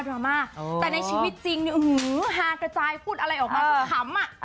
รามาแต่ในชีวิตจริงเนี่ยฮากระจายพูดอะไรออกมาก็ขำอ่ะ